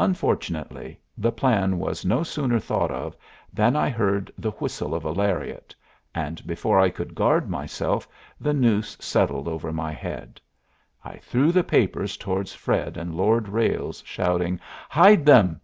Unfortunately, the plan was no sooner thought of than I heard the whistle of a lariat, and before I could guard myself the noose settled over my head. I threw the papers towards Fred and Lord Ralles, shouting, "Hide them!"